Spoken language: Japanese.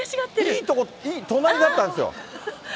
いい所、隣だったんですよ。